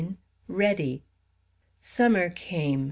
READY. Summer came.